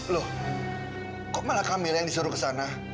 loh kok malah kami yang disuruh kesana